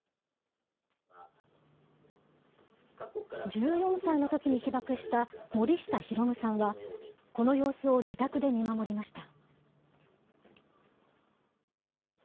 １４歳のときに被爆した森下弘さんは、この様子を自宅で見守りました。